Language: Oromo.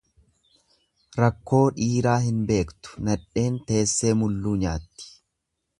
Rakkoo dhiiraa hin beektu nadheen teessee mulluu nyaatti.